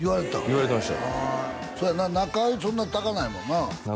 言われてましたそうやな中居そんな高ないもんな